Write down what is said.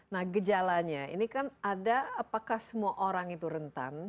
nah gejalanya ini kan ada apakah semua orang itu rentan